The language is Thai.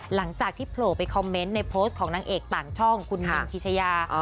หลังจากที่โผล่ไปคอมเมนต์ในโพสต์ของนางเอกต่างช่องคุณมินพิชยา